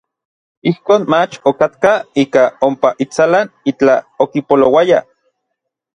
Ijkon mach okatkaj ikaj ompa intsalan itlaj okipolouaya.